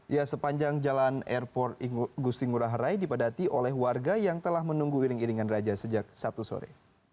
ya sepanjang jalan airport gusti ngurah rai dipadati oleh warga yang telah menunggu iring iringan raja sejak sabtu sore